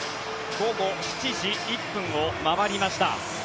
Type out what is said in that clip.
午後７時１分を回りました。